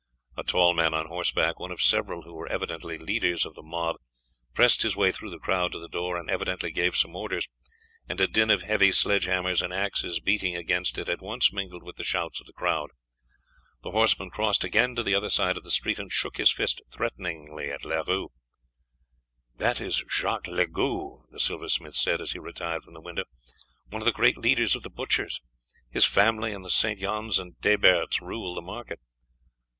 A tall man on horseback, one of several who were evidently leaders of the mob, pressed his way through the crowd to the door and evidently gave some orders, and a din of heavy sledge hammers and axes beating against it at once mingled with the shouts of the crowd. The horseman crossed again to the other side of the street and shook his fist threateningly at Leroux. "That is Jacques Legoix," the silversmith said, as he retired from the window; "one of the great leaders of the butchers; his family, and the St. Yons and Taiberts rule the market."